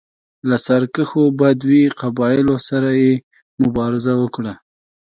له سرکښو بدوي قبایلو سره یې مبارزه وکړه.